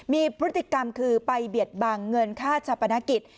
มีพฤติกรรมคือไปเบียดบังเงินค่าชาปนกิจ